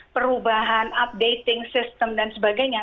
perubahan updating system dan sebagainya